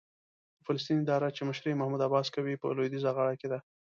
د فلسطین اداره چې مشري یې محمود عباس کوي، په لوېدیځه غاړه کې ده.